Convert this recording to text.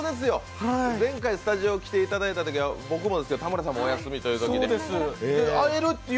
前回、スタジオに来ていただいたときは、僕もですけど田村さんもお休みということで、ええ。